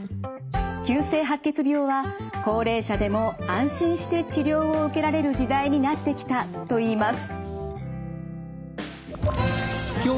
「急性白血病は高齢者でも安心して治療を受けられる時代になってきた」といいます。